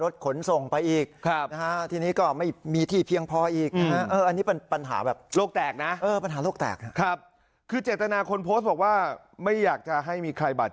เสียข้ารถขนส่งไปอีก